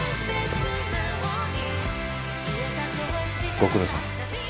ご苦労さん。